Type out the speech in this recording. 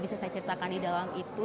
bisa saya ceritakan di dalam itu